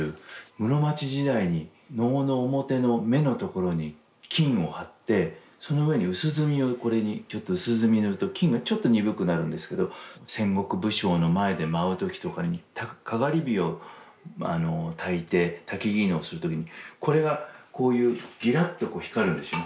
室町時代に能の面の眼の所に金を貼ってその上に薄墨をこれにちょっと薄墨塗ると金がちょっと鈍くなるんですけど戦国武将の前で舞う時とかにかがり火を焚いて薪能をする時にこれがこういうギラッとこう光るんですよね